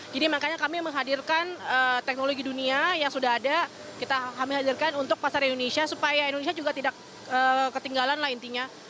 makanya kami menghadirkan teknologi dunia yang sudah ada kita hadirkan untuk pasar indonesia supaya indonesia juga tidak ketinggalan lah intinya